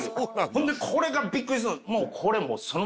ほんでこれがびっくりする。